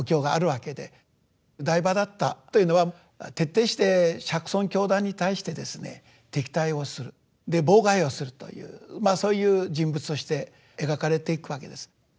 提婆達多というのは徹底して釈尊教団に対してですね敵対をするで妨害をするというまあそういう人物として描かれていくわけです。